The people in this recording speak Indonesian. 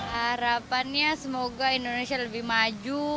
harapannya semoga indonesia lebih maju